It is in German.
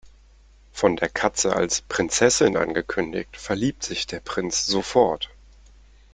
Von der Katze als Prinzessin angekündigt, verliebt sich der Prinz sofort.